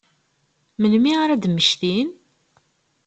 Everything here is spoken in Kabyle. Melmi ara ad mmektin?